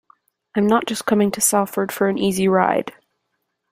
I'm not just coming to Salford for an easy ride.